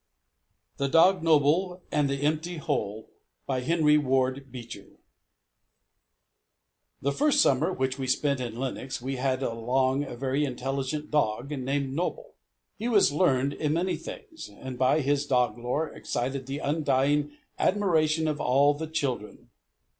_ THE DOG NOBLE AND THE EMPTY HOLE The first summer which we spent in Lenox we had along a very intelligent dog, named Noble. He was learned in many things, and by his dog lore excited the undying admiration of all the children.